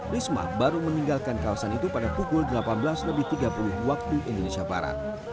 risma baru meninggalkan kawasan itu pada pukul delapan belas lebih tiga puluh waktu indonesia barat